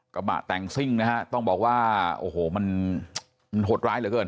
กระบะแต่งซิ่งนะฮะต้องบอกว่าโอ้โหมันหดร้ายเหลือเกิน